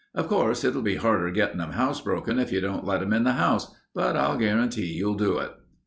Of course, it'll be harder gettin' 'em housebroken if you don't let 'em into the house, but I'll guarantee you'll do it.